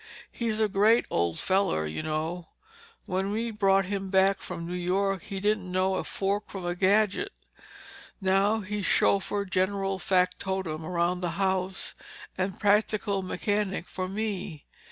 He's a great old feller, you know. When we brought him back from New York he didn't know a fork from a gadget. Now he's chauffeur, general factotem around the house, and practical mechanic for me.